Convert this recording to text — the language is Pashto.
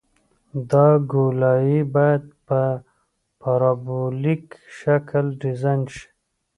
دا ګولایي باید په پارابولیک شکل ډیزاین شي